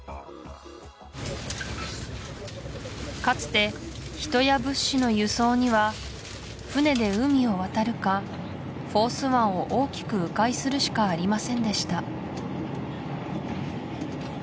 かつて人や物資の輸送には船で海を渡るかフォース湾を大きく迂回するしかありませんでした